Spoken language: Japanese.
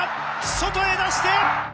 外へ出して。